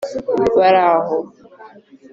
Baraho